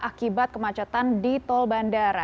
akibat kemacetan di tol bandara